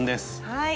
はい。